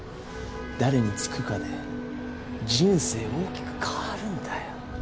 誰につくかで人生大きく変わるんだよ。